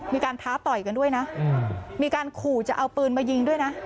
ท้าต่อยกันด้วยนะมีการขู่จะเอาปืนมายิงด้วยนะ